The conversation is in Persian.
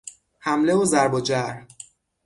حمله و ضرب و جرح